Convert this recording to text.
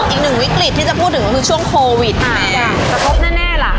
อีกหนึ่งวิกฤตที่จะพูดถึงก็คือช่วงโควิดกระทบแน่ล่ะ